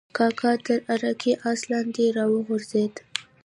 کاکا تر عراقي آس لاندې راوغورځېد.